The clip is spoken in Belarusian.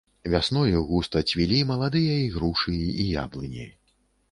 Вясною густа цвілі маладыя ігрушы і яблыні.